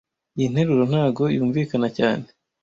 Iyi nteruro ntago yumvikana cyane